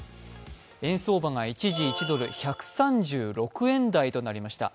円相場が一時１ドル＝１３６円台となりました。